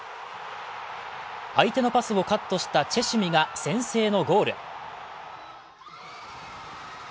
相手のパスをカットしたチェシュミが先制のゴール。